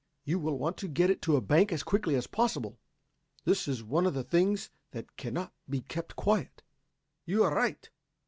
You will want to get it to a bank as quickly as possible. This is one of the things that cannot be kept quiet." "You are right.